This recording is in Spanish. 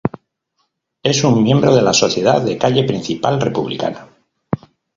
Es un miembro de la Sociedad de Calle Principal Republicana.